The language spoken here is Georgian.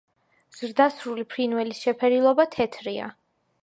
ზრდასრული ფრინველის შეფერილობა თეთრია.